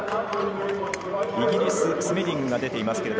イギリス、スメディングが出ています。